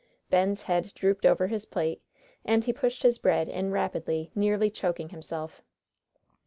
Ben's head drooped over his plate, and he pushed his bread in rapidly, nearly choking himself.